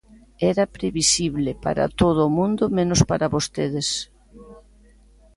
Era previsible para todo o mundo menos para vostedes.